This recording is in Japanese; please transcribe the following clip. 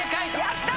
やった！